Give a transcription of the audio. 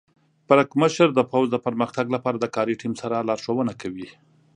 پړکمشر د پوځ د پرمختګ لپاره د کاري ټیم سره لارښوونه کوي.